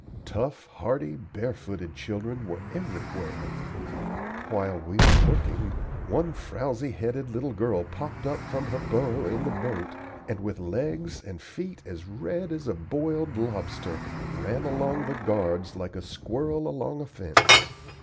Tough, hardy, barefooted children were everywhere. While we were looking, one frowsy headed little girl popped up from her burrow in the boat, and, with legs and feet as red as a boiled lobster, ran along the guards like a squirrel along a fence.